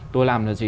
tôi làm là gì